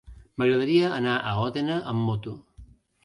M'agradaria anar a Òdena amb moto.